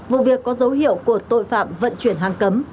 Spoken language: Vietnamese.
vụ việc có dấu hiệu của tội phạm vận chuyển hàng cấm